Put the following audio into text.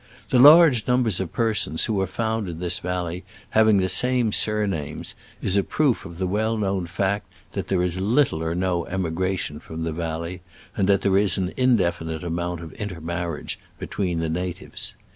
The large numbers of persons who are found in this valley having the same surnames is a proof of the well known fact that there is little or no emigration from the valley, and that there is an indefinite amount of intermarriage between the 1 atives.